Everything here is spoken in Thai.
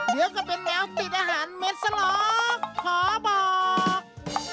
เดี๋ยวก็เป็นแมวติดอาหารเม็ดสล็อกขอบอก